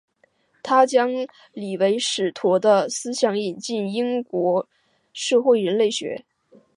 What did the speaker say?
他将李维史陀的思想引进英国社会人类学。